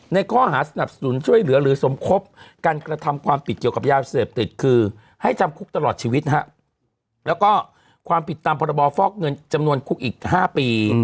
ในข้อหาสนับสนุนช่วยเหลือหรือสมคบการกระทำความผิดเกี่ยวกับยาเสพติดคือให้จำคุกตลอดชีวิตฮะแล้วก็ความผิดตามพรบฟอกเงินจำนวนคุกอีก๕ปี